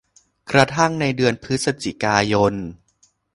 กระทั่งในเดือนพฤศจิกายน